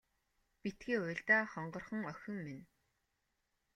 Битгий уйл даа хонгорхон охин минь.